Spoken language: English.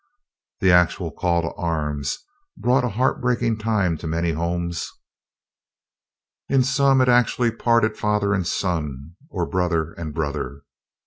The actual call to arms brought a heart breaking time to many homes. In some it actually parted father and son, or brother and brother.